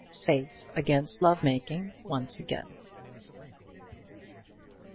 SAFE AGAINST LOVE MAKING ONCE AGAIN.